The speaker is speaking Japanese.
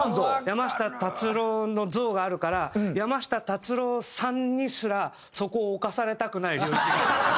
山下達郎の像があるから山下達郎さんにすらそこを侵されたくない領域が。